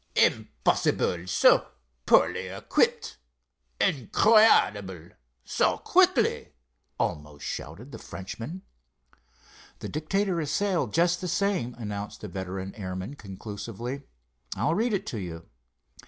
"Impossible—so poorly equipped! Incredible—so quickly!" almost shouted the Frenchman. "The Dictator has sailed, just the same," announced the veteran airman, conclusively. "I'll read it to you."